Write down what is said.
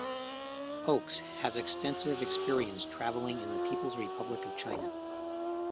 Oakes has extensive experience travelling in the People's Republic of China.